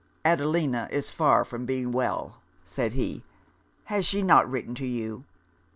'Adelina is far from being well,' said he. 'Has she not written to you?'